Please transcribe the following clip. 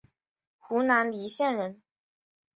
湖南澧县人。